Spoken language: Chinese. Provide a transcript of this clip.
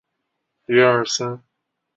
五代南唐保大三年改名南州。